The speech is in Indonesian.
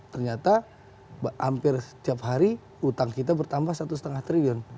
ternyata hampir setiap hari hutang kita bertambah satu lima triliun